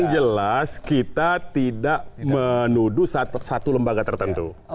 yang jelas kita tidak menuduh satu lembaga tertentu